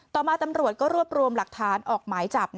ต่อมาตำรวจก็รวบรวมหลักฐานออกหมายจับ